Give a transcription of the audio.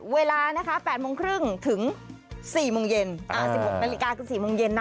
เวลา๘โมงครึ่งถึง๑๖นาฬิกา๔โมงเย็น